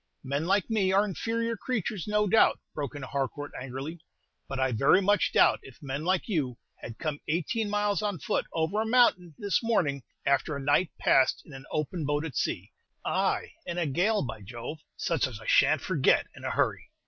"Men like me are very inferior creatures, no doubt," broke in Harcourt, angrily; "but I very much doubt if men like you had come eighteen miles on foot over a mountain this morning, after a night passed in an open boat at sea, ay, in a gale, by Jove, such as I sha' n't forget in a hurry."